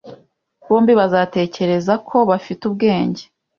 bombi bazatekereza ko bafite ubwenge